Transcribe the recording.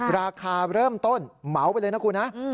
ราคาเริ่มต้นเหมาไปเลยนะคุณนะ